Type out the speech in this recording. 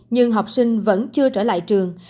nhưng học sinh vẫn chưa trở lại trường